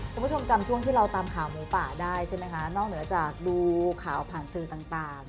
คุณผู้ชมจำช่วงที่เราตามข่าวหมูป่าได้ใช่ไหมคะนอกเหนือจากดูข่าวผ่านสื่อต่าง